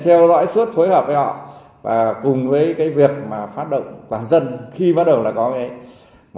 theo dõi suốt phối hợp với họ và cùng với việc phát động quảng dân khi bắt đầu là có